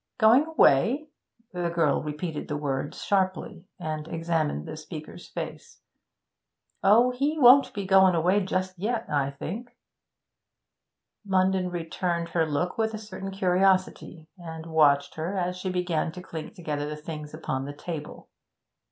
'Going away?' The girl repeated the words sharply, and examined the speaker's face. 'Oh, he won't be goin' away just yet, I think.' Munden returned her look with a certain curiosity, and watched her as she began to clink together the things upon the table.